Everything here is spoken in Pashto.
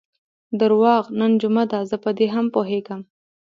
درواغ، نن جمعه ده، زه په دې هم پوهېږم.